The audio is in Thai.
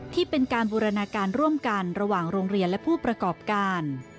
ที่เป็นการบูรณาการร่วมกันระหว่างโรงเรียนและผู้ประกอบการ